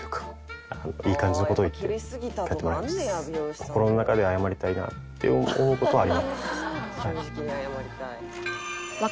心の中では謝りたいなって思う事はあります。